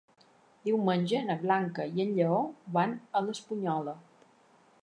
Diumenge na Blanca i en Lleó van a l'Espunyola.